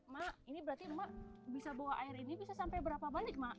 mak ini berarti mak bisa bawa air ini bisa sampai berapa balik mak